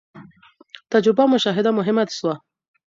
تجربه او مشاهده مهمه سوه.